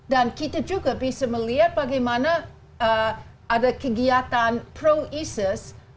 dan kita juga bisa melihat bagaimana ada kegiatan pro isis